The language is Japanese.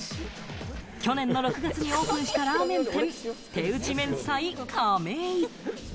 去年の６月にオープンしたラーメン店、「手打麺祭かめ囲」。